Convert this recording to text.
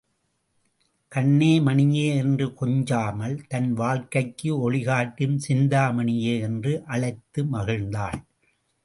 கண்ணே மணியே என்று கொஞ்சாமல் தன் வாழ்க்கைக்கு ஒளி காட்டும் சிந்தாமணியே என்று அழைத்து மகிழ்ந்தாள்.